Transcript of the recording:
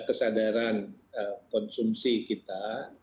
kebenaran konsumsi kita